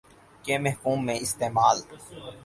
کے مفہوم میں استعمال